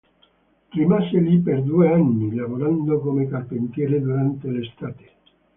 Rimase lì per due anni, lavorando come carpentiere durante l'estate.